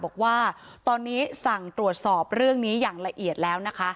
บอกว่าตอนนี้สั่งตรวจสอบเรื่องนี้อย่างละเอียดแล้วนะคะ